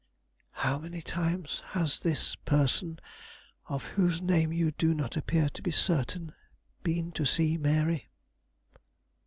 "How many times has this person, of whose name you do not appear to be certain, been to see Mary?"